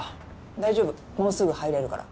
大丈夫もうすぐ入れるから。